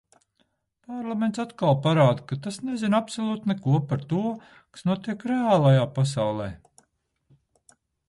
Parlaments atkal parāda, ka tas nezina absolūti neko par to, kas notiek reālajā pasaulē.